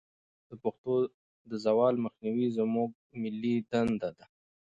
د پښتو د زوال مخنیوی زموږ ملي دندې ده.